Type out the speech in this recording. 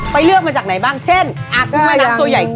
เลือกมาจากไหนบ้างเช่นอากุ้งแม่น้ำตัวใหญ่